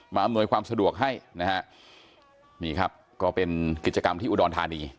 อำนวยความสะดวกให้นะฮะนี่ครับก็เป็นกิจกรรมที่อุดรธานี